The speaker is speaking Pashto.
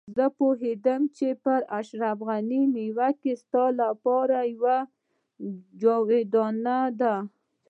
زه پوهېدم چې پر اشرف غني نيوکه ستا لپاره يوه چاودنه ده.